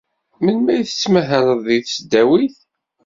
Melmi ay tettmahaled deg tesdawit?